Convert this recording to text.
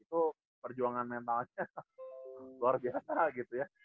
itu perjuangan mentalnya luar biasa gitu ya